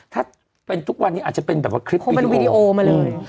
ถ้าถึงทุกวันนี้อาจจะเพียงคลิปวีดีโอมาเลย